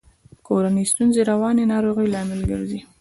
کورنۍ ستونزي د رواني ناروغیو لامل ګرزي.